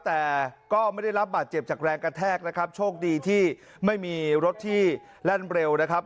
แต่ก็ไม่ได้รับบาดเจ็บจากแรงกระแทกนะครับโชคดีที่ไม่มีรถที่แล่นเร็วนะครับ